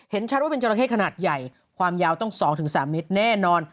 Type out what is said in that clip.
ชัดว่าเป็นจราเข้ขนาดใหญ่ความยาวต้อง๒๓เมตรแน่นอน